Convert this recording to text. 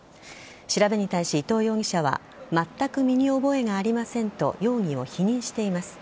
調べに対し伊藤容疑者はまったく身に覚えがありませんと容疑を否認しています。